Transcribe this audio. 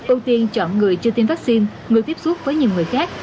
ưu tiên chọn người chưa tiêm vaccine người tiếp xúc với nhiều người khác